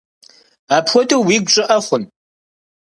Апхуэдэу уигу щӀыӀэ хъун?